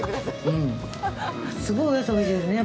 すごいお野菜がおいしいですね。